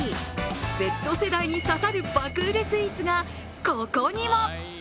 Ｚ世代に刺さる爆売れスイーツがここにも。